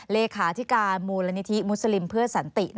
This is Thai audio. เลขาธิการมูลนิธิมุสลิมเพื่อสันติ